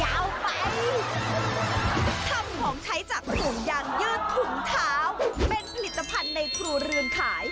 อาจเดี่ยวไปห่วงยางยืดผุมเท้าเป็นผลิตภัณฑ์ในกรูเรือนขาย